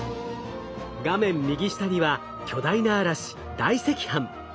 画面右下には巨大な嵐大赤斑。